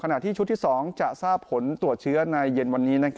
ที่ชุดที่๒จะทราบผลตรวจเชื้อในเย็นวันนี้